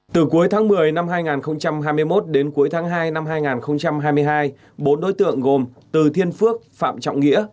từ cuối tháng một mươi năm hai nghìn hai mươi một đến cuối tháng hai năm hai nghìn hai mươi hai bốn đối tượng gồm từ thiên phước phạm trọng nghĩa